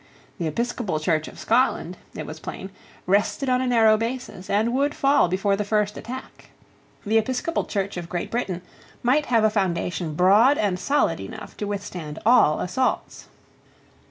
The Episcopal Church of Scotland, it was plain, rested on a narrow basis, and would fall before the first attack. The Episcopal Church of Great Britain might have a foundation broad and solid enough to withstand all assaults.